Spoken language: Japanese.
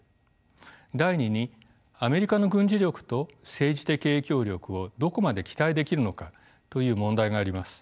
第２にアメリカの軍事力と政治的影響力をどこまで期待できるのかという問題があります。